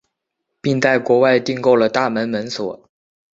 并在国外订购了大门门锁。